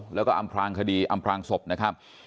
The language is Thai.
แล้วก็อำพลางคดีอำพลางศพนะครับ